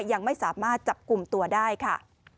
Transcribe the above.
ยังไม่สามารถจับกลุ่มตัวได้ค่ะ